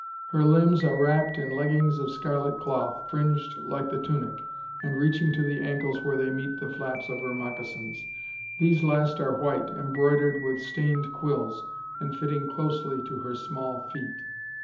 Her limbs are wrapped in leggings of scarlet cloth, fringed like the tunic, and reaching to the ankles where they meet the flaps of her moccasins. These last are white, embroidered with stained quills, and fitting closely to her small feet.